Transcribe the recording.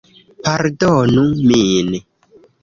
Pardonu min...